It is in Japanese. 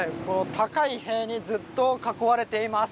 高い塀にずっと囲われています。